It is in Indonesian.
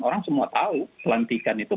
orang semua tahu pelantikan itu